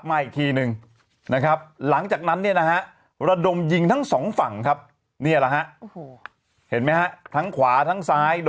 ใหม่คลีนึงนะครับหลังจากนั้นเนี่ยนะปุะดมยิงทั้งสองฝั่งครับนี่ละเห็นไม่